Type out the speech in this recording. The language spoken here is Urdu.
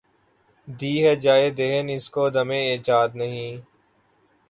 دی ہے جایے دہن اس کو دمِ ایجاد ’’ نہیں ‘‘